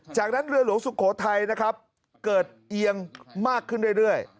จากนั้นเรือหลวงสุโขทัยนะครับเกิดเอียงมากขึ้นเรื่อย